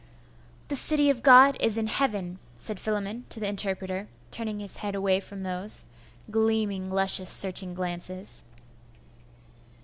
'The city of God is in heaven,' said Philammon to the interpreter, turning his head away from those gleaming, luscious, searching glances.